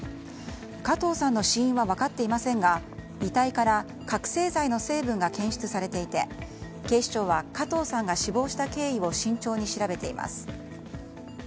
加藤さんの死因は分かっていませんが遺体から覚醒剤の成分が検出されていて警視庁は加藤さんが死亡した経緯を慎重に調べています。